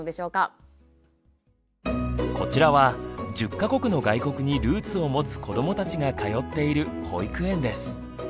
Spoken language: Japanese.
こちらは１０か国の外国にルーツを持つ子どもたちが通っている保育園です。